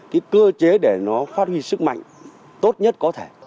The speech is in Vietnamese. cái cơ chế để nó phát huy sức mạnh tốt nhất có thể